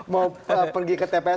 mau pergi ke tps